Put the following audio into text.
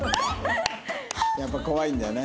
やっぱ怖いんだよね。